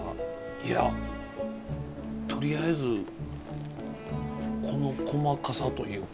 いやとりあえずこの細かさというか。